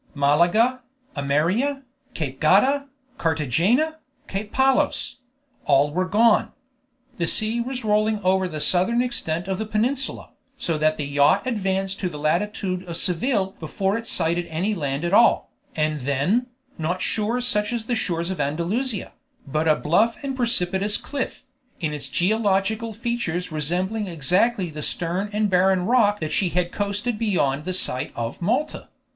Malaga, Almeria, Cape Gata, Carthagena. Cape Palos all were gone. The sea was rolling over the southern extent of the peninsula, so that the yacht advanced to the latitude of Seville before it sighted any land at all, and then, not shores such as the shores of Andalusia, but a bluff and precipitous cliff, in its geological features resembling exactly the stern and barren rock that she had coasted beyond the site of Malta.